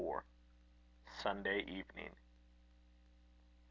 SUNDAY EVENING.